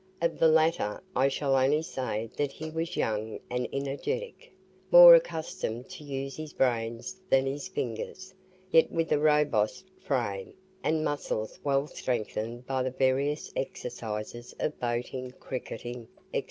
Of the latter I shall only say that he was young and energetic, more accustomed to use his brains than his fingers, yet with a robust frame, and muscles well strengthened by the various exercises of boating, cricketing, &c.